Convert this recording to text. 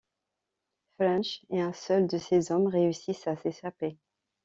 French et un seul de ses hommes réussissent à s'échapper.